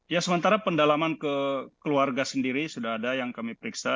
ya sementara pendalaman ke keluarga sendiri sudah ada yang kami periksa